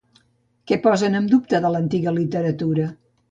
Què posen en dubte de l'antiga literatura?